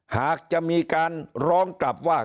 หากจะมีการร้องกลับว่า